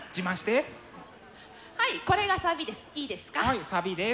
はいこれがサビです。